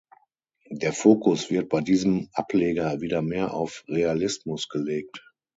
Der Fokus wird bei diesem Ableger wieder mehr auf Realismus gelegt.